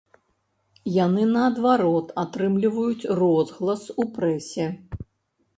Яны, наадварот, атрымліваюць розгалас у прэсе.